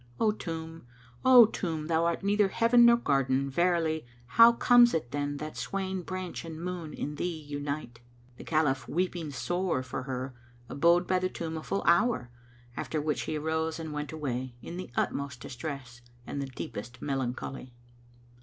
O tomb, O tomb, thou art neither heaven nor garden, verily: * How comes it then that swaying branch and moon in thee unite? The Caliph, weeping sore for her, abode by the tomb a full hour, after which he arose and went away, in the utmost distress and the deepest melancholy.